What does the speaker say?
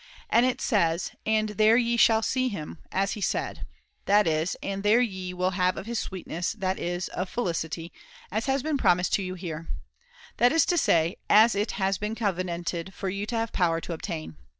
And it says :* And there ye will see him, as he said ;' that is, ' And there ye will have of his sweetness, that is, of felicity, as has been promised to you here,' that is to say, as it has been covenanted for you to have power to obtain.